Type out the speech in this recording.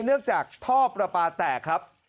เนื่องจากท่อประปาแตกครับ